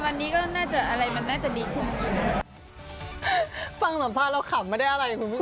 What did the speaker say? มาเจอกันวันนี้ก็น่าจะอะไรมันน่าจะดีคุณ